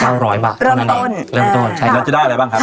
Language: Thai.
แล้วจะได้อะไรบ้างครับ